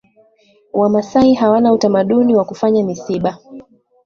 Wamasai hawana utamaduni wa kufanya misiba